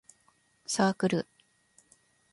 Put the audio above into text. サークル